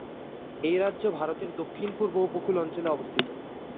এই রাজ্য ভারতের দক্ষিণ-পূর্ব উপকূল অঞ্চলে অবস্থিত।